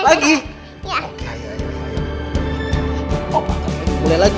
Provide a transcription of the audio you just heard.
opa kan ini mulai lagi ya